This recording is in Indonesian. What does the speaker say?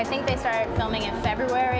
saya pikir mereka mulai membuat film di februari